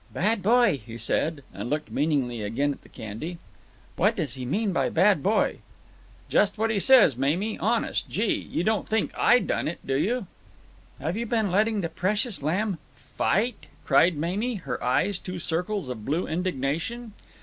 "Bad boy," he said, and looked meaningly again at the candy. "What does he mean by 'bad boy'?" "Just what he says, Mamie, honest. Gee! you don't think I done it, do you?" "Have you been letting the precious lamb fight?" cried Mamie, her eyes two circles of blue indignation.